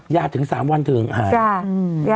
ยาถึง๓วันถึงหาย